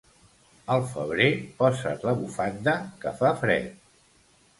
Al febrer, posa't la bufanda, que fa fred.